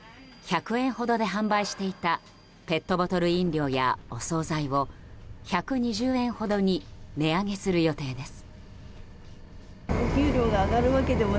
１００円ほどで販売していたペットボトル飲料や、お総菜を１２０円ほどに値上げする予定です。